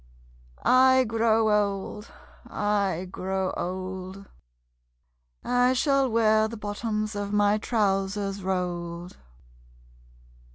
I grow old... I grow old... I shall wear the bottoms of my trousers rolled.